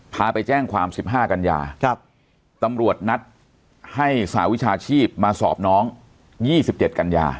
พาไปแจ้งความสิบห้ากัญญาครับตำรวจนัดให้สาววิชาชีพมาสอบน้องยี่สิบเจ็ดกัญญา